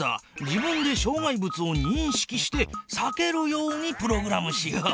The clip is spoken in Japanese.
自分でしょう害物をにんしきしてさけるようにプログラムしよう。